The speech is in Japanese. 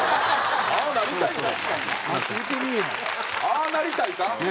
ああなりたいか？